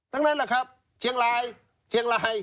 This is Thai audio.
ตั้งนั้นล่ะครับเชียงรายเชียงราย